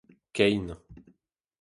kein